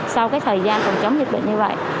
sau cái thời gian phòng chống dịch bệnh như vậy